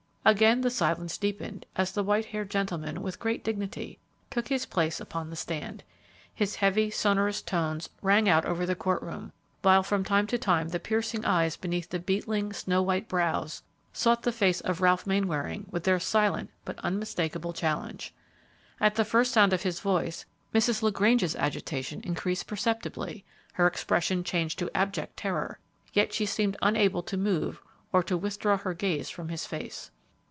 Again the silence deepened as the white haired gentleman, with great dignity, took his place upon the stand. His heavy, sonorous tones rang out over the court room, while from time to time the piercing eyes beneath the beetling, snow white brows sought the face of Ralph Mainwaring with their silent but unmistakable challenge. At the first sound of his voice, Mrs. LaGrange's agitation increased perceptibly; her expression changed to abject terror, yet she seemed unable to move or to withdraw her gaze from his face.